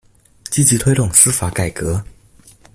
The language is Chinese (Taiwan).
積極推動司法改革